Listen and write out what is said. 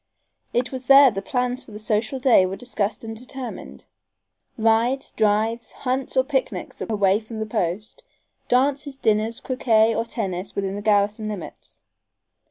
It was there the plans for the social day were discussed and determined. Rides, drives, hunts or picnics away from the post; dances, dinners, croquet or tennis within the garrison limits.